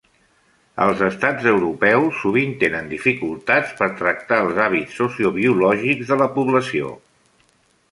Els estats europeus sovint tenen dificultats per tractar els hàbits sociobiològics de la població.